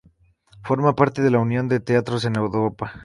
Forma parte de la Unión de Teatros de Europa.